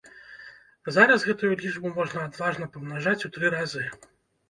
Зараз гэтую лічбу можна адважна памнажаць у тры разы.